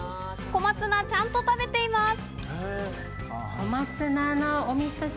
小松菜、ちゃんと食べています。